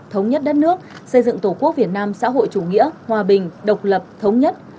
thống nhất đất nước xây dựng tổ quốc việt nam xã hội chủ nghĩa hòa bình độc lập thống nhất